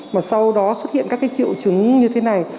mà sau đó xuất hiện các triệu chứng như thế này